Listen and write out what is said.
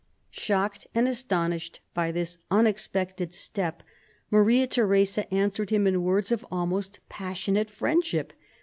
9 Shocked and astonished at this unexpected step, Maria Theresa answered him in words of almost passion ate friendship.